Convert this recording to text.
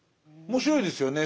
面白いですよね。